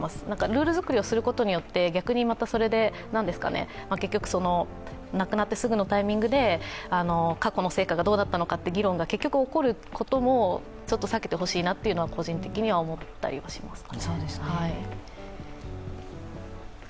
ルールづくりをすることによって逆にまたそれで結局、亡くなってすぐのタイミングで過去の成果がどうだったのかという議論が結局起こることも避けてほしいなというのは個人的には思ったりします。